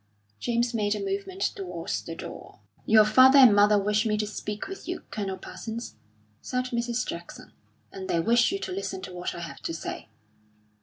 James made a movement towards the door. "Your father and mother wish me to speak with you, Colonel Parsons," said Mrs. Jackson. "And they wish you to listen to what I have to say."